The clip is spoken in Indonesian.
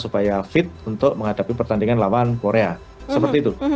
supaya fit untuk menghadapi pertandingan lawan korea seperti itu